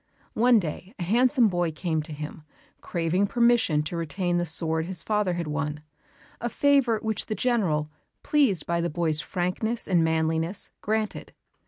One day a handsome boy came to him, craving permission to retain the sword his father had won, a favour which the General, pleased by the boy's frankness and manliness, granted.